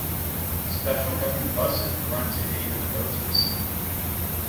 Special government buses run to aid the devotees.